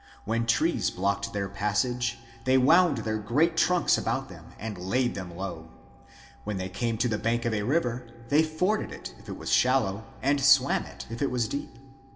When trees blocked their passage, they wound their great trunks about them and laid them low. When they came to the bank of a river, they forded it if it was shallow, and swam it if it was deep.